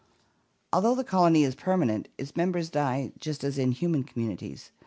Although the colony is permanent, its members die just as in human communities.